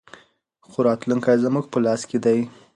خو راتلونکی زموږ په لاس کې دی.